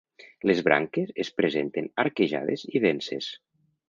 Les branques es presenten arquejades i denses.